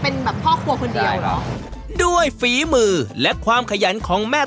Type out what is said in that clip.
เป็นแบบพ่อครัวคนเดียวเหรอด้วยฝีมือและความขยันของแม่